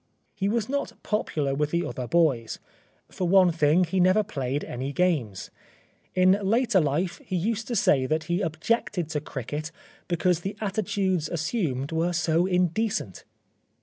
He was not popular with the other boys. » For one thing, he never played any games. In later life he used to say that he objected to cricket because the attitudes as sumed were so indecent.